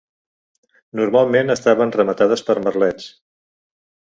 Normalment estaven rematades per merlets.